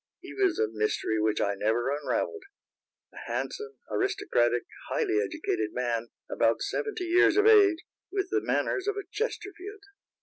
He was a mystery which I never unravelled, a handsome, aristocratic, highly educated man about seventy years of age, with the manners of a Chesterfield.